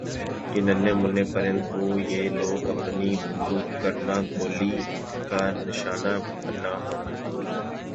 یِہ ننھے مننھے پرند کو یِہ لوگ اپنی بندوق کرنا گولی کا نشانہ بننا ہونا